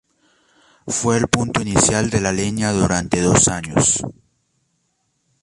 Fue el punto inicial de la línea durante dos años.